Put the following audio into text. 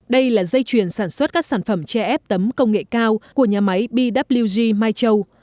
đây là dây chuyền sản xuất các sản phẩm tre ép tấm công nghệ cao của nhà máy bwg mai châu